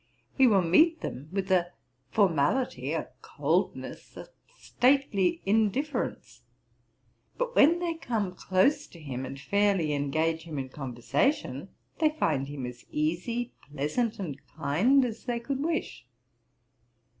He will meet them with a formality, a coldness, a stately indifference; but when they come close to him, and fairly engage him in conversation, they find him as easy, pleasant, and kind, as they could wish.